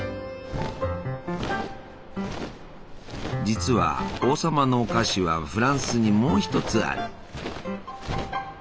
実は「王様のお菓子」はフランスにもう一つある。